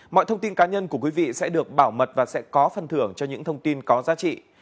mọi thông tin cá nhân của quý vị sẽ được bảo mật và sẽ có phần thưởng cho những thông tin có giá trị